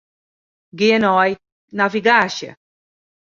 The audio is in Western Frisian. Gean nei navigaasje.